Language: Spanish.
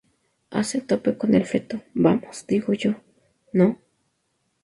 hace tope con el feto, vamos, digo yo, ¿ no?